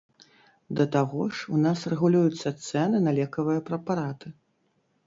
Да таго ж, у нас рэгулююцца цэны на лекавыя прэпараты.